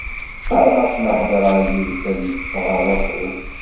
Qqareɣ-as ma hedreɣ yid-s ad yeffeɣ rruḥ-iw.